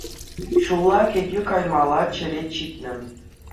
Ҫулла кӗтӳ каймалли черет ҫитнӗ.